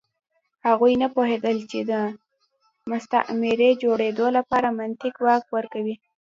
هغوی نه پوهېدل چې د مستعمرې جوړېدو لپاره مطلق واک ورکوي.